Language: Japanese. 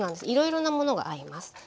いろいろなものが合います。